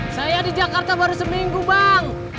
saya di jakarta baru seminggu bang